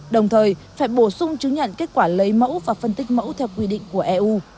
đồng thời phải bổ sung chứng nhận kết quả lấy mẫu và phân tích mẫu theo quy định của eu